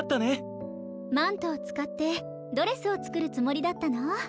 マントをつかってドレスをつくるつもりだったの？